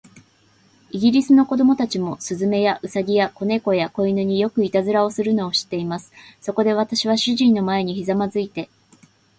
イギリスの子供たちも、雀や、兎や、小猫や、小犬に、よくいたずらをするのを知っています。そこで、私は主人の前にひざまずいて